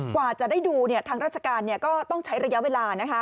กว่าจะได้ดูทางราชการก็ต้องใช้ระยะเวลา